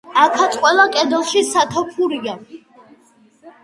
აქაც ყველა კედელში სათოფურია.